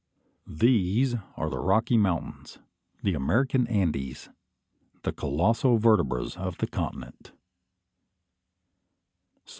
These are the Rocky Mountains, the American Andes, the colossal vertebras of the continent!